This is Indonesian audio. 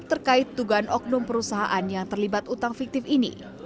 terkait tugaan oknum perusahaan yang terlibat utang fiktif ini